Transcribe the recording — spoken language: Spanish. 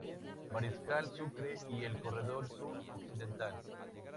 Mariscal Sucre y el Corredor Sur Occidental.